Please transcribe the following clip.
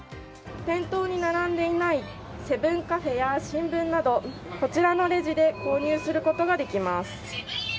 店頭に並んでいないセブンカフェや新聞などこちらのレジで購入することができます。